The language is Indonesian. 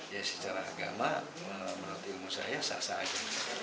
ya secara agama menurut ilmu saya sah sah aja